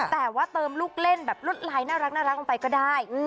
แต่ว่าเติมลูกเล่นแบบรวดลายน่ารักลงไปก็ได้